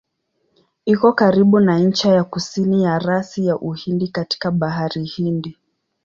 Iko karibu na ncha ya kusini ya rasi ya Uhindi katika Bahari Hindi.